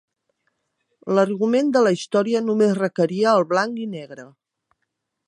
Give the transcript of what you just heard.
L'argument de la història només requeria el blanc-i-negre.